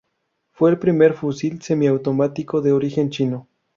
Fue el primer fusil semiautomático de origen chino.